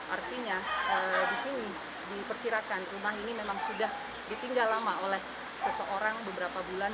artinya di sini diperkirakan rumah ini memang sudah ditinggal lama oleh seseorang beberapa bulan